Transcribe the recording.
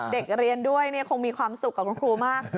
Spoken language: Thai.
เด็กเรียนด้วยคงมีความสุขกับคุณครูมาก